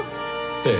ええ。